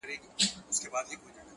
دا هم له تا جار دی” اې وطنه زوروره”